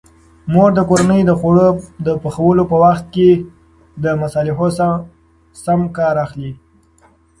مور د کورنۍ د خوړو د پخولو په وخت د مصالحو سم کار اخلي.